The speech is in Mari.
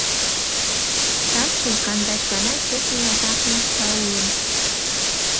Таче кандаш гана кертме атакым-таулым